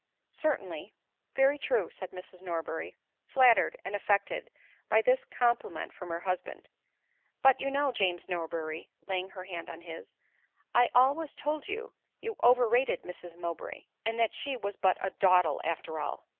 " Certainly ;— very true," said Mrs Norberry, flatter ed and effected by this compliment from her husband ;" but you know, James Norberry," laying her hand on his, " I always told you you overrated Mrs Mowbray ; and that she was but a dawdle, after all."